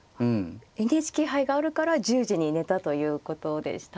ＮＨＫ杯があるから１０時に寝たということでしたね。